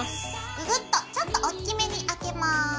ググッとちょっとおっきめにあけます。